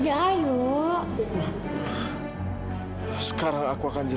jangan kohet kebringen ambil